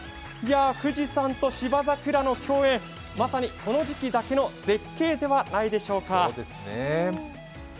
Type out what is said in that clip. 富士山と芝桜の共演、まさにこの時期だけの絶景ではないでしょうか。